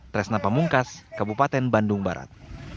tresna pamungkas kabupaten bandung barat